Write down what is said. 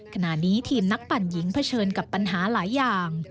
ขณะนี้ทีมนักปั่นหญิงเผชิญกับปัญหาหลายอย่าง